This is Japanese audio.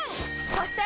そして！